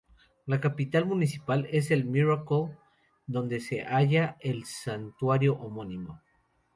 La capital municipal es El Miracle, donde se halla el santuario homónimo.